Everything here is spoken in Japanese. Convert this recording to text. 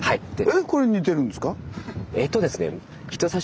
えっこれ似てるんですか？